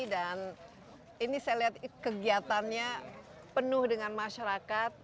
dan ini saya lihat kegiatannya penuh dengan masyarakat